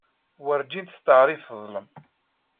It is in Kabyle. Werǧin testeɛṛif teḍlem.